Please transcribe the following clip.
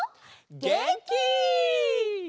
げんき！